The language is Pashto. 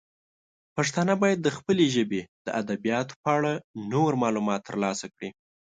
پښتانه باید د خپلې ژبې د ادبیاتو په اړه نور معلومات ترلاسه کړي.